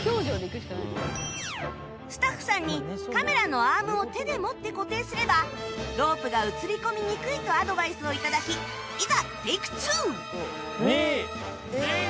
スタッフさんにカメラのアームを手で持って固定すればロープが映り込みにくいとアドバイスを頂きいざ２１。